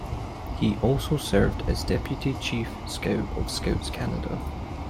He also served as deputy Chief Scout of Scouts Canada.